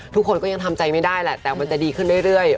ทุกคนก็ยังทำใจไม่ได้แหละแต่มันจะดีขึ้นเรื่อย